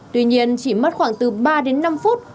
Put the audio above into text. tuy nhiên chỉ mất khoảng từ ba đến năm phút